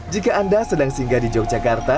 jika anda sedang singgah di yogyakarta